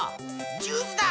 ジュースだ！